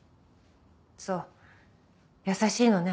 そう優しいのね